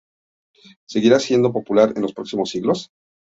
Seguiría siendo popular en los próximos siglos.